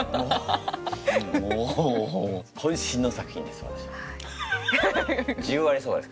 こん身の作品です